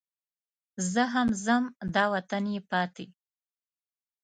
زه هم ځم دا وطن یې پاتې.